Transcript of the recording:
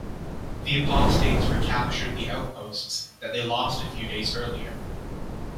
The apostates recaptured the outposts that they lost a few days earlier.